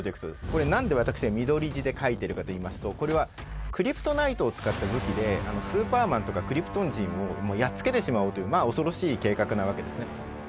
これ何で私が緑字で書いてるかといいますとこれはクリプトナイトを使った武器でスーパーマンとかクリプトン人をやっつけてしまおうというまあ恐ろしい計画なわけですね。